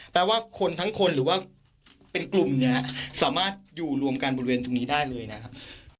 แปลว่าคนทั้งคนหรือว่าเป็นกลุ่มเนี่ยสามารถอยู่รวมกันบริเวณตรงนี้ได้เลยนะครับ